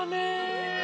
うん！